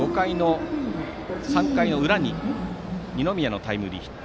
３回の裏に二宮のタイムリーヒット。